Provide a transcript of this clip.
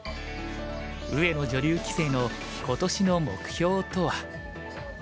上野女流棋聖の今年の目標とは。